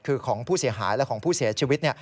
คือของผู้เสียหายและของผู้เสียชีวิต